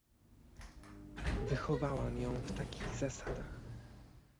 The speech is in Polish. "Wychowałam ją w takich zasadach."